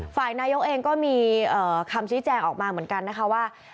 ฝ่ายนายกเองก็มีคำชี้แจงออกมาเหมือนกันนะคะว่า